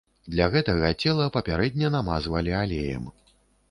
Для гэтага цела папярэдне намазвалі алеем.